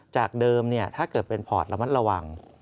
จากเดิมถ้าเกิดเป็นพอร์ตระมัดระวัง